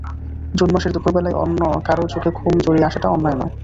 June মাসের দুপুরবেলায় কারো চোখে ঘুম জড়িয়ে আসাটা অন্যায় নয়।